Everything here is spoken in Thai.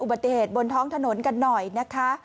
อุบัติเหตุบนท้องถนนกันหน่อยนะคะ